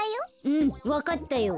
うんわかったよ。